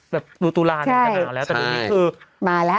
แบบดูตุลาเนี่ยมันจะหนาวแล้ว